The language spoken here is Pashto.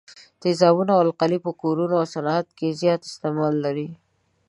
تیزابونه او القلي په کورونو او صنعت کې زیات استعمال لري.